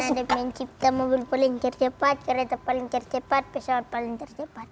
karena dia mencipta mobil paling tercepat kereta paling tercepat pesawat paling tercepat